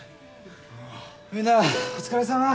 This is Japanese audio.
・うんみんなお疲れさま。